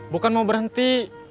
bukan mau berhenti